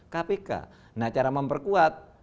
kpk nah cara memperkuat